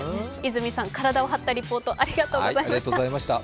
泉さん、体を張ったリポートありがとうございました。